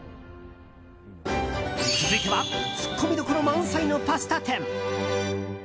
続いてはツッコミどころ満載のパスタ店。